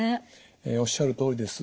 おっしゃるとおりです。